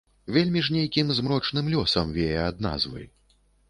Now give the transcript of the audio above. Вельмі ж нейкім змрочным лёсам вее ад назвы.